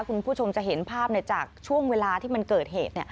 คุณผู้ชมจะเห็นภาพจากช่วงเวลาที่มันเกิดเหตุ